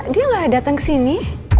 dia gak datang kesini